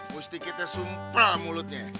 mesti kita sumpel mulutnya